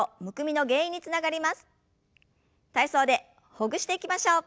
体操でほぐしていきましょう。